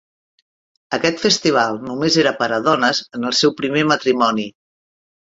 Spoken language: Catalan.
Aquest festival només era per a dones en el seu primer matrimoni.